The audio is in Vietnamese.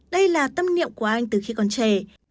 đây là tâm niệm của anh từ khi còn trẻ